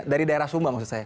dari daerah sumba maksud saya